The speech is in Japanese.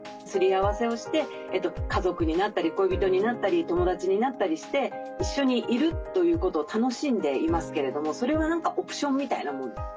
すり合わせをして家族になったり恋人になったり友達になったりして一緒にいるということを楽しんでいますけれどもそれは何かオプションみたいなもので。